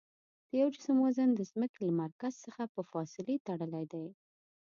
د یوه جسم وزن د ځمکې له مرکز څخه په فاصلې تړلی دی.